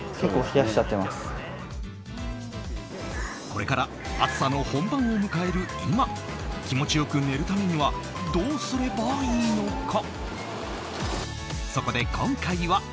これから暑さの本番を迎える今気持ち良く寝るためにはどうすればいいのか。